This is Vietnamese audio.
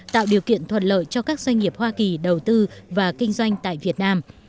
tạo điều kiện thuận lợi cho các doanh nghiệp hoa kỳ đầu tư và kinh doanh tại việt nam